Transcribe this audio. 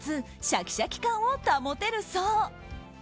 シャキシャキ感を保てるそう。